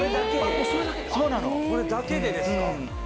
これだけでですか